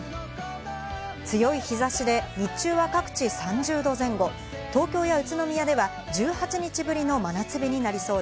強い日差しで、日中は各地３０度前後、東京や宇都宮では１８日ぶりの真夏日になりそう